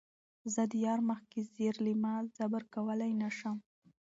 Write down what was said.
زۀ د يار مخکښې زېر لېمۀ زبَر کؤلے نۀ شم